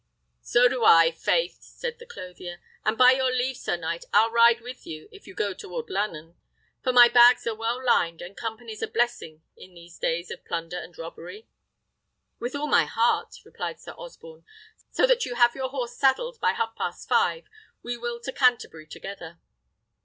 "So do I, faith," said the clothier; "and by your leave, sir knight, I'll ride with you, if you go toward Lunnun; for my bags are well lined, and company's a blessing in these days of plunder and robbery." "With all my heart," replied Sir Osborne; "so that you have your horse saddled by half past five, we will to Canterbury together."